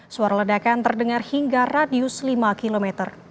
suara ledakan terdengar hingga radius lima km